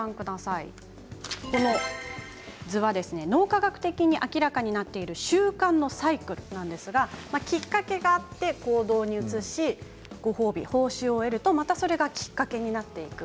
この図は脳科学的に明らかになっている習慣のサイクルなんですがきっかけがあって、行動に移しご褒美、報酬を得るとまたそれがきっかけになっていく